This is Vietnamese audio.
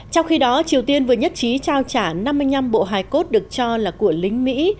trong khi đó triều tiên vừa nhất trí trao trả năm mươi năm bộ hài cốt được cho là của lính mỹ